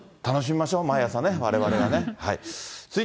まあ、楽しみましょう、毎朝ね、われわれはね。